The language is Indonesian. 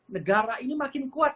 negara ini makin kuat